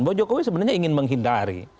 bahwa jokowi sebenarnya ingin menghindari